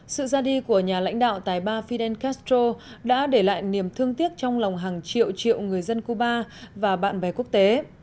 sự ra đi của nhà lãnh đạo tài ba fidel castro đã để lại niềm thương tiếc trong lòng hàng triệu triệu người dân cuba và bạn bè quốc tế